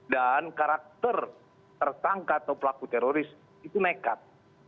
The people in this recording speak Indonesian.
dan karakter tersangka atau pelaku teroris itu nekat